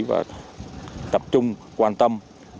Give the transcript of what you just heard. và tập trung quan tâm